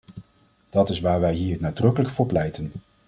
Dat is waar wij hier nadrukkelijk voor pleiten.